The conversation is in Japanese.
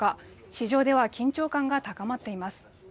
市場では緊張感が高まっています